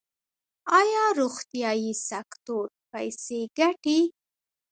آیا روغتیايي سکتور پیسې ګټي؟